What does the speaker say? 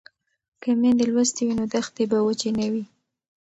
که میندې لوستې وي نو دښتې به وچې نه وي.